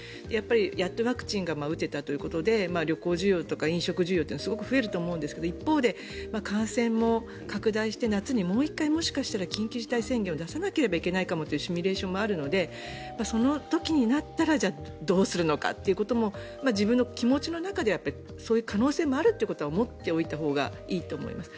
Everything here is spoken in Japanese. やっとワクチンが打てたということで旅行需要とか飲食需要はすごく増えると思うんですが一方、感染も拡大して夏にもう１回緊急事態宣言を出さなければというシミュレーションもあるのでその時になったらどうするのかも自分の気持ちの中でそういう可能性があるということは思っておいたほうがいいと思います。